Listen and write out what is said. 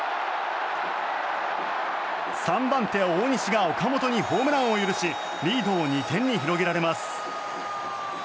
３番手、大西が岡本にホームランを許しリードを２点に広げられます。